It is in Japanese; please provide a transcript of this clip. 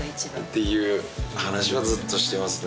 ていう話はずっとしてますね。